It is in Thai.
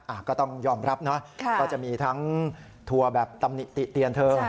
ก็ต้องยอมรับนะก็จะมีทั้งทัวร์แบบตำหนิติเตียนเธอ